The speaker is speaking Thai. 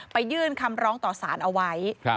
ยื่นคำร้องต่อสารเอาไว้